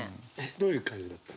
どういう感じだった？